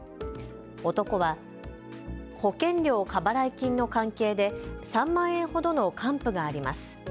男は保険料過払い金の関係で３万円ほどの還付があります。